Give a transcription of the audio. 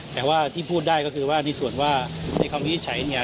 แต่ว่าที่พูดได้ก็คือว่าในส่วนว่าในคำวินิจฉัยเนี่ย